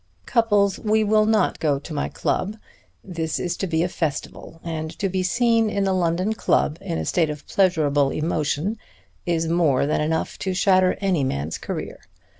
Cupples, we will not go to my club. This is to be a festival, and to be seen in a London club in a state of pleasurable emotion is more than enough to shatter any man's career.